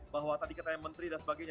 bahwa tadi katanya menteri dan sebagainya